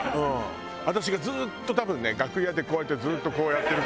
私がずっと多分ね楽屋でこうやってずっとこうやってる。